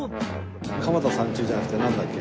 蒲田三中じゃなくてなんだっけ？